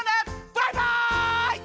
バイバイ！